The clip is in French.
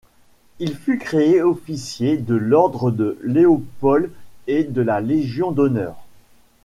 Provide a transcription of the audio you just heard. Il fut créé officier de l'Ordre de Léopold et de la Légion d'honneur.